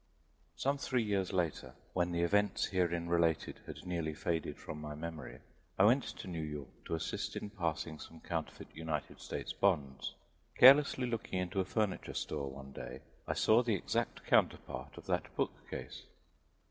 Some three years later, when the events herein related had nearly faded from my memory, I went to New York to assist in passing some counterfeit United States bonds. Carelessly looking into a furniture store one day, I saw the exact counterpart of that book case.